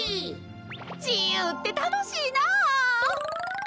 じゆうってたのしいな！